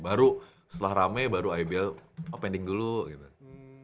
baru setelah rame baru ibl pending dulu gitu